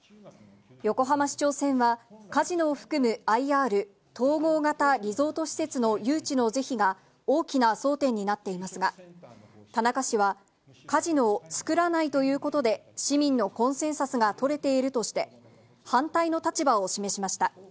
横浜市長選は、カジノを含むＩＲ・統合型リゾート施設の誘致の是非が大きな争点になっていますが、田中氏は、カジノを作らないということで、市民のコンセンサスが取れているとして、反対の立場を示しました。